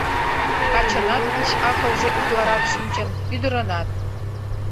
— Качынат уш-акылже утларак шинчын, ӱдырынат.